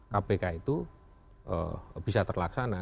kpk itu bisa terlaksana